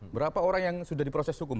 berapa orang yang sudah diproses hukum